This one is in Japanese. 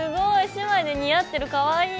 姉妹で似合ってるかわいい！